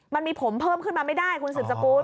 มันมีผมเพิ่มขึ้นมาไม่ได้คุณสืบสกุล